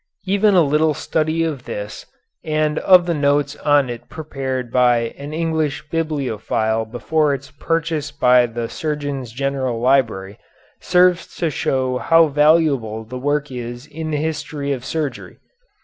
Even a little study of this and of the notes on it prepared by an English bibliophile before its purchase by the Surgeon General's Library, serves to show how valuable the work is in the history of surgery.